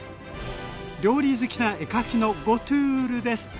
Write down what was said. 料理好きな絵描きのゴトゥールです。